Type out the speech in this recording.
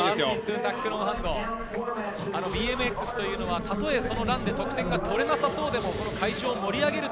ＢＭＸはたとえ、ランで得点が取れなさそうでも、会場を盛り上げる。